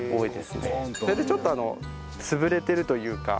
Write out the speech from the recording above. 大体ちょっと潰れてるというか。